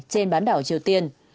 trên bán đảo triều tiên